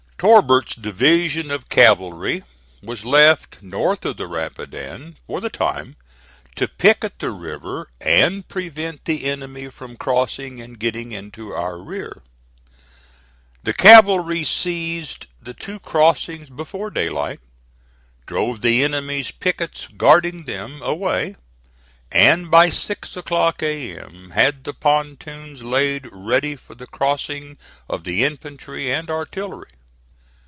Torbert's division of cavalry was left north of the Rapidan, for the time, to picket the river and prevent the enemy from crossing and getting into our rear. The cavalry seized the two crossings before daylight, drove the enemy's pickets guarding them away, and by six o'clock A.M. had the pontoons laid ready for the crossing of the infantry and artillery.